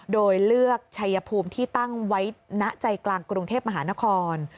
โดยเลือกชัยภูมิที่ตั้งไว้ณใจกลางกรุงเทพมหานคร